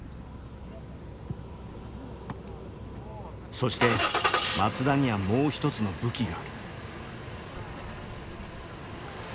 そして松田にはもう一つの武器がある。